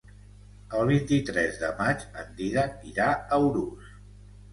El vint-i-tres de maig en Dídac irà a Urús.